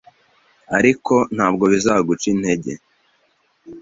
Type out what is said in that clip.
ariko ntabwo bizaguca intege